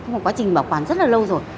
một quá trình bảo quản rất là lâu rồi